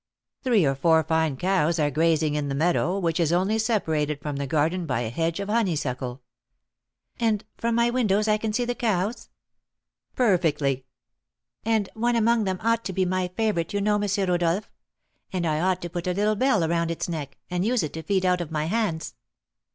"Three or four fine cows are grazing in the meadow, which is only separated from the garden by a hedge of honeysuckle " "And from my windows I can see the cows?" "Perfectly." "And one among them ought to be my favourite, you know, M. Rodolph; and I ought to put a little bell round its neck, and use it to feed out of my hands!"